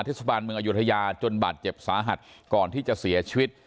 เทศบาลเมืองอยุธยาจนบาดเจ็บสาหัสก่อนที่จะเสียชีวิต